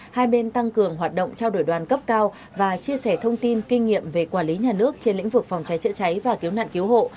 hai bên tăng cường hoạt động trao đổi đoàn cấp cao và chia sẻ thông tin kinh nghiệm về quản lý nhà nước trên lĩnh vực phòng cháy chữa cháy và cứu nạn cứu hộ